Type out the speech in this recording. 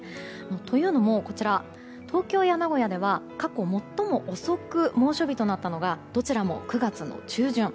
というのも、東京や名古屋では過去最も遅く猛暑日となったのがどちらも９月の中旬。